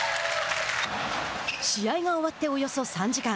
試合が終わっておよそ３時間。